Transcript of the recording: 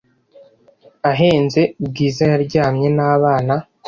ahenze bwiza yaryamye nabana